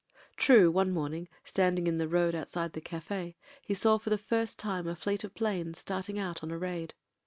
True, one morning, standing in the road outside the cafe, he saw for the first time a fleet of 'planes starting out on a raid.